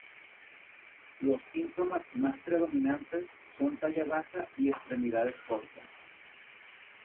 Los síntomas predominantes son talla baja y extremidades cortas.